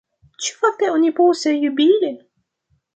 Ĉu fakte oni povas jubili?